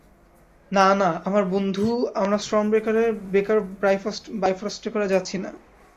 না, না, আমার বন্ধু, আমরা স্টর্মব্রেকারের বেকার বাইফ্রস্টে করে যাচ্ছি না।